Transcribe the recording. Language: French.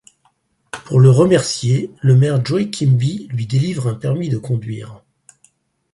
Pour le remercier, le maire Joe Quimby lui délivre un permis de conduire.